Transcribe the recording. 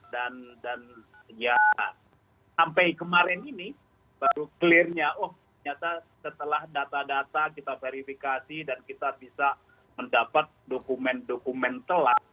ya sampai kemarin ini baru clearnya oh ternyata setelah data data kita verifikasi dan kita bisa mendapat dokumen dokumen telah